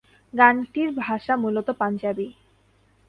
গানটির মূল ভাষা পাঞ্জাবি।